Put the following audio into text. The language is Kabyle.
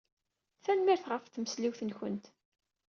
Tanemmirt ɣef tmesliwt-nkent.